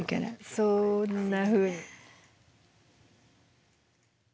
そんなふうに。